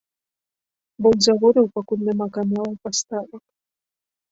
Бо ў заводаў пакуль няма каналаў паставак.